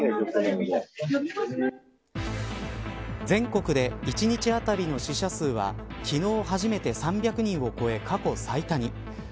全国で１日当たりの死者数は昨日初めて３００人を超え過去最多に。